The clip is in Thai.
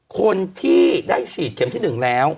คนที่ได้ฉีดเข็มที่๑แล้ว